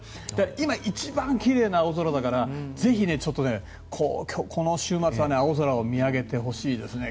今、一番きれいな青空だからぜひこの週末は青空を見上げてほしいですね。